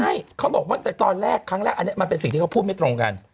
ใช่เขาบอกว่าแต่ตอนแรกครั้งแรกอันนี้มันเป็นสิ่งที่เขาพูดไม่ตรงกัน